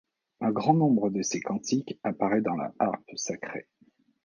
Un grand nombre de ses cantiques apparaît dans l'Harpe sacrée.